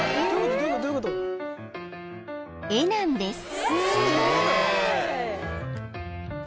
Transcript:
［絵なんです］